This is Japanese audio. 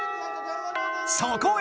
そこへ！